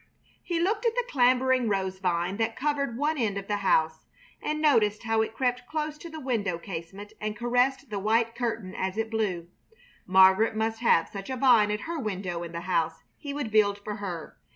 He looked at the clambering rose vine that covered one end of the house, and noticed how it crept close to the window casement and caressed the white curtain as it blew. Margaret must have such a vine at her window in the house he would build for her.